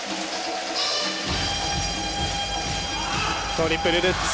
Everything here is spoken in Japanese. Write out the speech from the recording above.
トリプルルッツ。